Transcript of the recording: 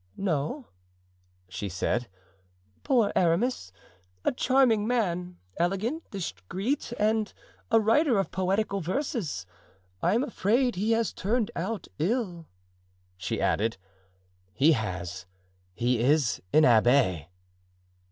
"No," she said; "poor Aramis; a charming man, elegant, discreet, and a writer of poetical verses. I am afraid he has turned out ill," she added. "He has; he is an abbé."